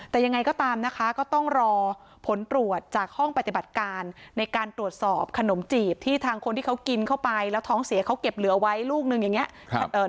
แต่ยังไงก็ตามนะคะก็ต้องรอผลตรวจจากห้องปฏิบัติการในการตรวจสอบขนมจีบที่ทางคนที่เขากินเข้าไปแล้วท้องเสียเขาเก็บเหลือไว้ลูกหนึ่งอย่างนี้